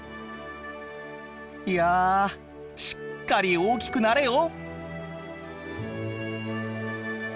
いやしっかり大きくなれよ！